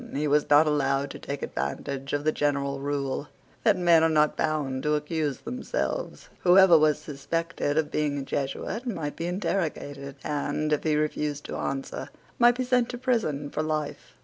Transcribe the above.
He was not allowed to take advantage of the general rule, that men are not bound to accuse themselves. Whoever was suspected of being a Jesuit might be interrogated, and, if he refused to answer, might be sent to prison for life.